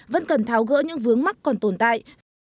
vẫn cần tháo gỡ những vướng mắc còn tồn tại